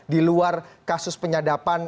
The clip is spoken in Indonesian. diluar kasus penyadapan